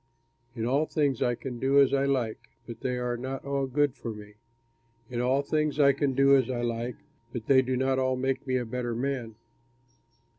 In all things I can do as I like, but they are not all good for me. In all things I can do as I like, but they do not all make me a better man.